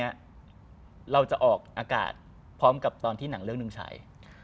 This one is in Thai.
เราจะออกอากาศพร้อมกับตอนที่หนังเรื่องหนึ่งใช้